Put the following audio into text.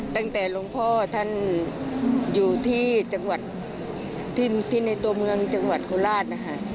ตั้งแต่หลวงพ่อท่านอยู่ที่ในตัวเมืองจังหวัดโคลาส